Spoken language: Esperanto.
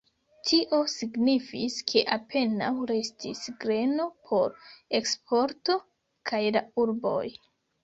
Tio signifis, ke apenaŭ restis greno por eksporto kaj la urboj.